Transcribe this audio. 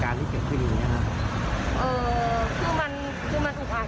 รถก็วิ่งไปมา